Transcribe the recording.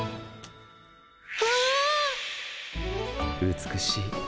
美しい。